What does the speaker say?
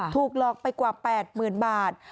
ถูกหลอกไปกว่า๘๐๐๐บาท